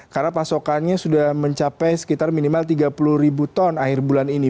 karena pasokannya sudah mencapai sekitar minimal tiga puluh ribu ton akhir bulan ini